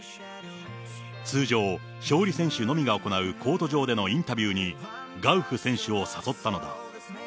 通常、勝利選手のみが行うコート上でのインタビューに、ガウフ選手を誘ったのだ。